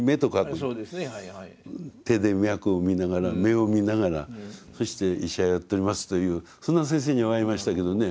手で脈を見ながら目を見ながらそして医者をやっておりますというそんな先生に会いましたけどね。